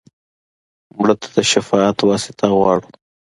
مړه ته د شفاعت واسطه غواړو